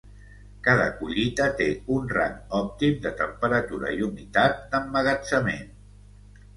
Cada collita té un rang òptim de temperatura i humitat d'emmagatzemament.